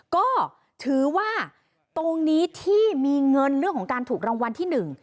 ก็ถือว่าตรงนี้ที่มีเงินเรื่องของการถูกรางวัลที่๑